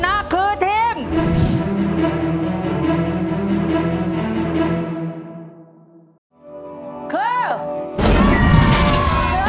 เยาว์เมอร์แมนชนะ